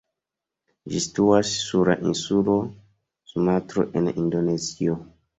Ĝi situas sur la insulo Sumatro en Indonezio.